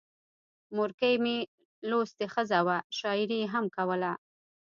مورکۍ مې لوستې ښځه وه، شاعري یې هم کوله.